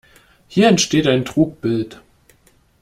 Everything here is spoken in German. Hier entsteht ein Trugbild.